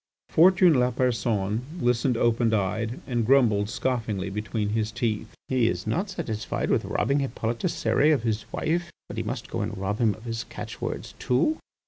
Fortuné Lapersonne listened open eyed, and grumbled scoffingly between his teeth: "He is not satisfied with robbing Hippolyte Cérès of his wife, but he must go and rob him of his catchwords too."